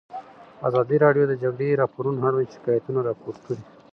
ازادي راډیو د د جګړې راپورونه اړوند شکایتونه راپور کړي.